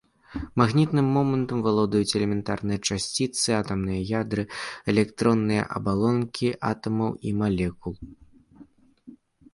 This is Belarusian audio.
Магнітным момантам валодаюць элементарныя часціцы, атамныя ядра, электронныя абалонкі атамаў і малекул.